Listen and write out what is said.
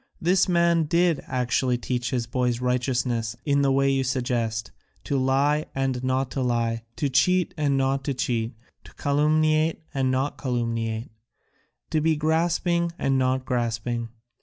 This man did actually teach his boys righteousness in the way you suggest, to lie and not to lie, to cheat and not to cheat, to calumniate and not to calumniate, to be grasping and not grasping.